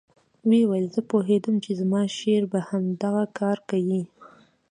ويې ويل زه پوهېدم چې زما شېر به همدغه کار کيي.